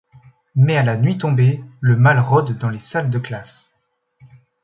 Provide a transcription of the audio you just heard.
Mais à la nuit tombée, le mal rôde dans les salles de classe.